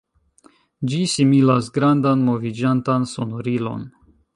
Ĝi similas grandan moviĝantan sonorilon.